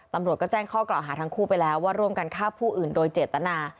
ตำรวจก็แจ้งข้อกล่าวหาทั้งคู่ไปแล้วว่าร่วมกันฆ่าผู้อื่นโดยเจตนา